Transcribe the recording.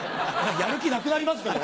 やる気なくなりますけどね。